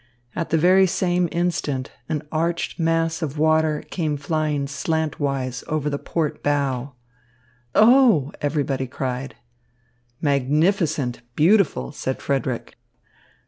At the very same instant an arched mass of water came flying slantwise over the port bow. "Oh!" everybody cried. "Magnificent, beautiful," said Frederick.